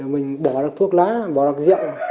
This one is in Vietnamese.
mình bỏ ra thuốc lá bỏ ra riệng